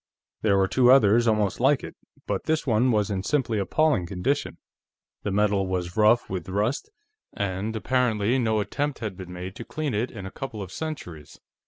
There were two others almost like it, but this one was in simply appalling condition. The metal was rough with rust, and apparently no attempt had been made to clean it in a couple of centuries.